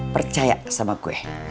percaya sama gue